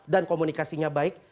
dan komunikasinya baik